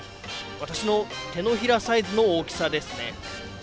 私の手のひらサイズの大きさですね。